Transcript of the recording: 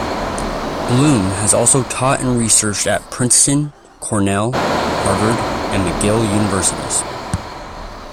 Bloom has also taught and researched at Princeton, Cornell, Harvard, and McGill Universities.